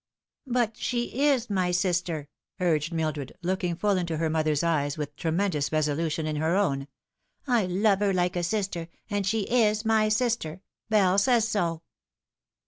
" But she is my sister," urged Mildred, looking full into her mother's eyes, with tremendous resolution in her own. " I lovo her like a sister, and she is my sister. Bell says so."